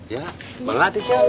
ya berlatih cik